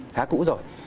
khá cũ rồi